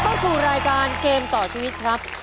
ครับก็คือรายการเกมต่อชีวิตครับ